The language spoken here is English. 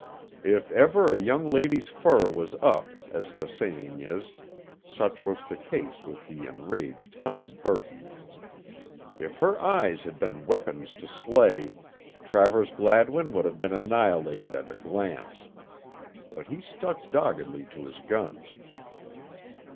If ever a young lady's fur was up, as the saying is, such was the case with the enraged Helen Burton. If her eyes had been weapons to slay, Travers Gladwin would have been annihilated at a glance. But he stuck doggedly to his guns.